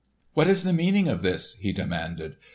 "What is the meaning of all this?" he demanded.